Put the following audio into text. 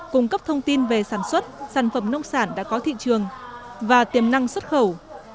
cung cấp thông tin về sản xuất sản phẩm nông sản đã có thị trường và tiềm năng xuất khẩu